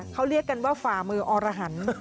เขาเรียกกันว่าฝ่ามืออรหัน